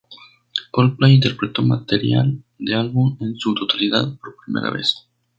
Coldplay interpretó material del álbum en su totalidad por primera vez.